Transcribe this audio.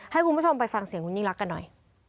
ให้คุณผู้ชมไปฟังเสียงคุณยิ่งรักกันหน่อย